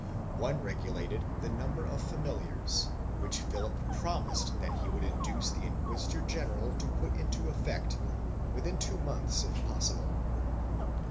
One regulated the number of familiars, which Philip promised that he would induce the inquisitor general to put into effect, within two months if possible.